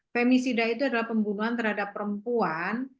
femisida itu adalah pembunuhan terhadap perempuan